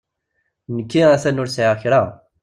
Nekki a-t-an ur sɛiɣ kra.